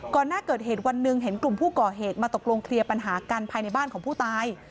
หน้าเกิดเหตุวันหนึ่งเห็นกลุ่มผู้ก่อเหตุมาตกลงเคลียร์ปัญหากันภายในบ้านของผู้ตาย